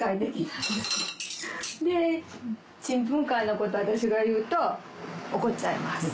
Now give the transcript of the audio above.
でちんぷんかんなこと私が言うと怒っちゃいます。